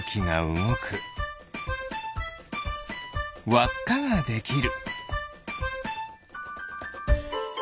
わっかができる。